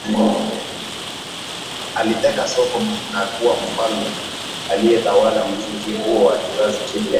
Aliteka soko na kuwa mfalme aliyetawala muziki huo wa kizazi kipya